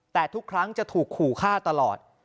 แต่ทุกครั้งจะถูกขู่ฆ่าตลอด